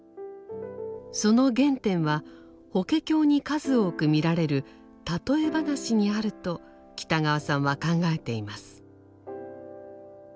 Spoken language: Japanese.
その原点は「法華経」に数多く見られる譬え話にあると北川さんは考えています。